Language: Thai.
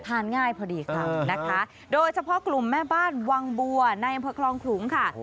ง่ายพอดีค่ะนะคะโดยเฉพาะกลุ่มแม่บ้านวังบัวในอำเภอคลองขลุงค่ะ